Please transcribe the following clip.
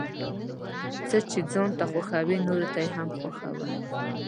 څه چې ځان ته خوښوې نوروته يې هم خوښوه ،